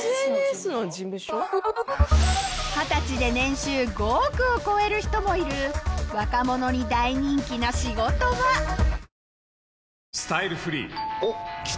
二十歳で年収５億を超える人もいる若者に大人気な仕事はえっ！